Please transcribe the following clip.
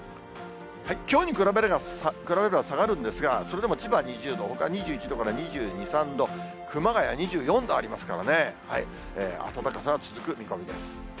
きょうに比べれば下がるんですが、それでも千葉２０度、ほか２１度から２２、３度、熊谷２４度ありますからね、暖かさが続く見込みです。